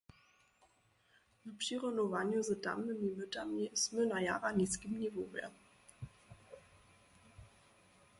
W přirunowanju z tamnymi mytami smy na jara niskim niwowje.